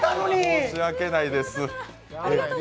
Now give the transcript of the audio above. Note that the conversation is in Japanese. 申し訳ないです。